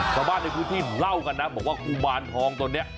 ชาวบ้านในพื้นที่เล่ากันนะบอกว่ากุมารทองตัวนี้